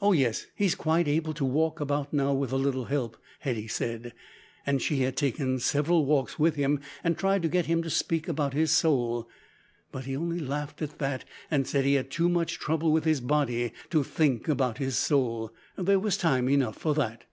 Oh yes, he was quite able to walk about now with a little help, Hetty said, and she had taken several walks with him and tried to get him to speak about his soul, but he only laughed at that, and said he had too much trouble with his body to think about his soul there was time enough for that!